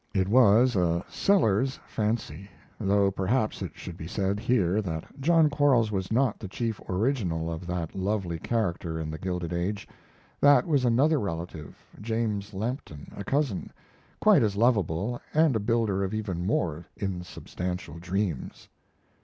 It was a Sellers fancy, though perhaps it should be said here that John Quarles was not the chief original of that lovely character in The Gilded Age. That was another relative James Lampton, a cousin quite as lovable, and a builder of even more insubstantial dreams.